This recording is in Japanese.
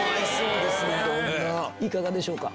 いかがでしょうか？